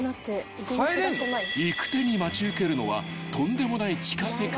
［行く手に待ち受けるのはとんでもない地下世界］